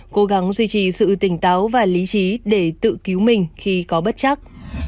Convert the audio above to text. cố gắng duy trì sự tỉnh táo và lý trí để tự cứu mình khi có bất chắc